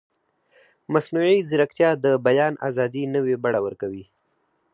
مصنوعي ځیرکتیا د بیان ازادي نوې بڼه ورکوي.